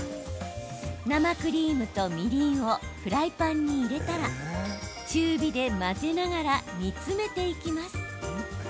生クリームとみりんをフライパンに入れたら中火で混ぜながら煮詰めていきます。